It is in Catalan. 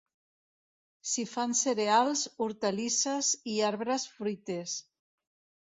S'hi fan cereals, hortalisses i arbres fruiters.